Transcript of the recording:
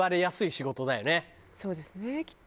そうですねきっと。